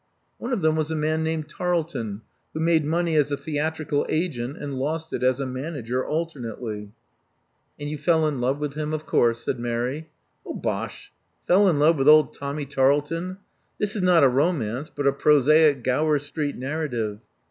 One of them was a man named Tarleton, who made money as a theatrical agent and lost it as a manager alternately." And you fell in love with him, of course," said Mary. Bosh! Fell in love with old Tommy Tarleton! This is not a romance, but a prosaic Gower Street narrative.